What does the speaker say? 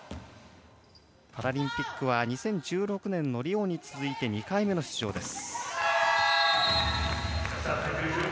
パラリンピックは２０１６年のリオに続いて２回目の出場です。